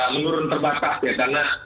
menurun terbatas ya karena